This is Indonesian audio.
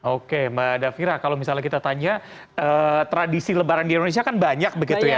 oke mbak davira kalau misalnya kita tanya tradisi lebaran di indonesia kan banyak begitu ya